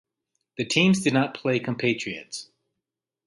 The teams did not play compatriots.